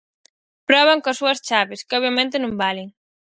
Proban coas súas chaves, que obviamente non valen.